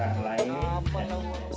untuk menyediakan sidang di tempat